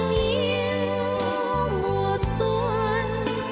tình yêu mua xuân